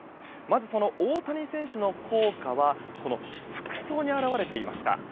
その大谷選手の効果は服装に表れていました。